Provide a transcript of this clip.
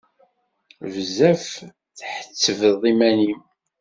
Bezzaf i tḥettbeḍ iman-im!